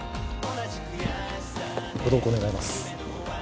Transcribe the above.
ご同行願います